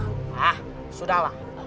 hah sudah lah